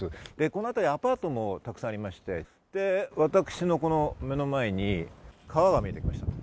このあたり、アパートもたくさんありまして、私の目の前に川が見えてきました。